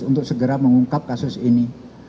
untuk segera mengungkap kasus ini